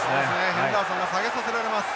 ヘンダーソンが下げさせられます。